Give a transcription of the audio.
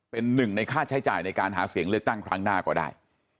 เป็นหนึ่งในค่าใช้จ่ายในการหาเสียงเลือกตั้งครั้งหน้าก็ได้